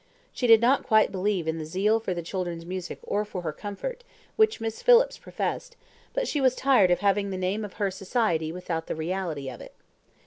She did not quite believe in the zeal for the children's music or for her comfort, which Miss Phillips professed, but she was tired of having the name of her society without the reality of it.